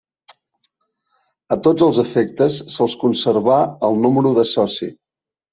A tots els efectes se'ls conservà el número de soci.